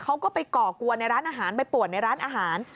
เขาก็ไปก่อกวนในร้านอาหารไปป่วนในร้านอาหาร